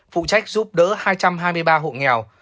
phụ trách giúp đỡ hai trăm hai mươi ba hộ nghèo